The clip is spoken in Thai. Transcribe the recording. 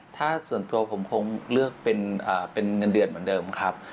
ถ้าส่วนตัวผมคงเลือกเป็นเงินเดือนเหมือนเดิมครับ